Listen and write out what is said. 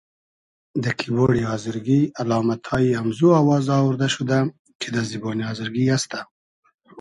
دۂ کیبۉرۮی آزرگی الامئتای امزو آوازا اووردۂ شودۂ کی دۂ زیبۉنی آزرگی است.